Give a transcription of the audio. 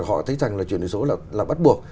họ thấy rằng là chuyển đổi số là bắt buộc